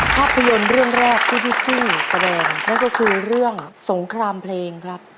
ภาพยนตร์เรื่องแรกที่พี่ชี่แสดงนั่นก็คือเรื่องสงครามเพลงครับ